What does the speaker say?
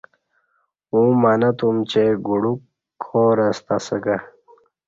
ا وں منہ تم چہ گڈوک کار ہ ستہ اسہ کہ